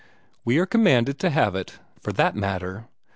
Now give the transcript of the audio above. We are commanded to have it, for that matter.